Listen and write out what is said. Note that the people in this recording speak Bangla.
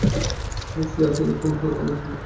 খাইছে, আসলেই খুন করবা নাকি?